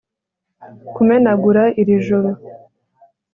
kumenagura iri joro